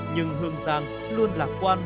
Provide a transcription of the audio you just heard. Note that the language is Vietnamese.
nhưng hương giang luôn lạc quan